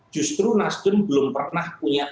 justru nasdem belum pernah punya pengalaman berkualitas